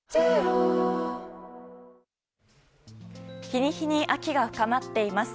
日に日に秋が深まっています。